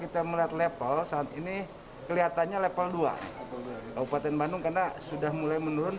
kita melihat level saat ini kelihatannya level dua kabupaten bandung karena sudah mulai menurun